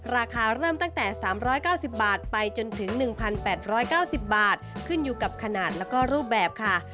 ราคาเริ่มตั้งแต่๓๙๐บาทไปจนถึง๑๘๙๐บาทขึ้นอยู่กับขนาดแล้วก็รูปแบบค่ะ